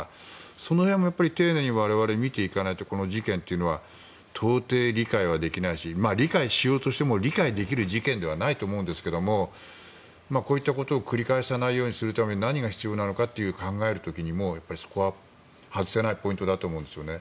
その辺も丁寧に我々見ていかないとこの事件は到底理解はできないし理解しようとしても理解できる事件ではないと思うんですけどもこういったことを繰り返さないようにするために何が必要なのか考える時にそこは外せないポイントだと思うんですよね。